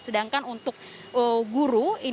sedangkan untuk guru